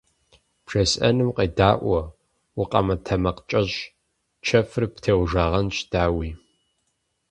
БжесӀэнум къедаӀуэ, укъэмытэмакъкӀэщӀ, чэфыр птеужагъэнщ, дауи.